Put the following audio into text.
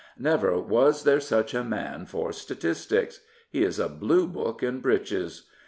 Never was there such a man for statistics. He is a Blue Book in breeches.